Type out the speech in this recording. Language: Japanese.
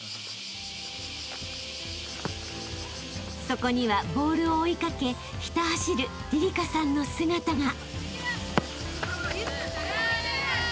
［そこにはボールを追い掛けひた走るりりかさんの姿が］